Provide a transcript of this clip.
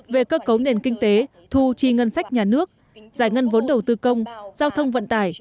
về cơ cấu nền kinh tế thu chi ngân sách nhà nước giải ngân vốn đầu tư công giao thông vận tải